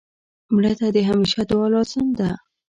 مړه ته د همېشه دعا لازم ده